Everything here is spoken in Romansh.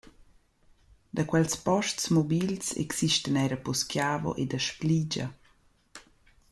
Da quels posts mobils existan eir a Poschiavo ed a Spligia.